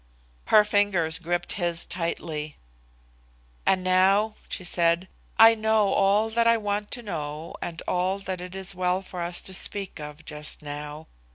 Her fingers gripped his tightly. "And now," she said, "I know all that I want to know and all that it is well for us to speak of just now.